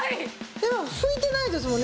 でも拭いてないですもんね。